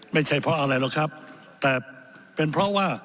ไม่ใช่เพราะอะไรหรอกครับแต่เป็นเพราะว่า